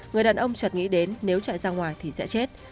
người đàn ông chật nghĩ đến nếu chạy ra ngoài thì sẽ chết